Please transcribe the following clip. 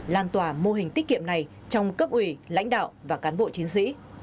lan tỏa mô hình tiết kiệm này trong cấp ủy lãnh đạo và cán bộ chiến sĩ